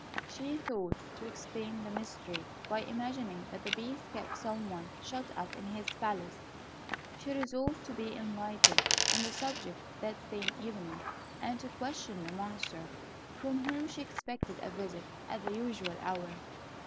She thought to explain the mystery by imagining that the Beast kept some one shut up in his palace. She resolved to be enlightened on the subject that same evening, and to question the Monster, from whom she expected a visit at the usual hour.